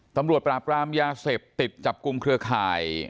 ตำรวจปราบรามยาเสพติดจับกลุ่มเครือข่าย